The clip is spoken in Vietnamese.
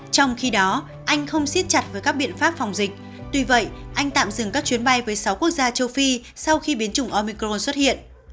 trong khi đó anh không xiết chặt với các biện pháp phòng dịch tuy vậy anh tạm dừng các chuyến bay với sáu quốc gia châu phi sau khi biến chủng omicro xuất hiện